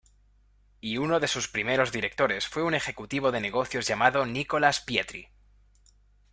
Y uno de sus primeros directores fue un ejecutivo de negocios llamado Nicolas Pietri.